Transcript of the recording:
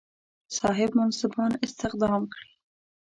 صاحب منصبان استخدام کړي.